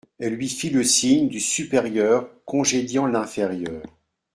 Elle lui fit le signe du supérieur congédiant l'inférieur.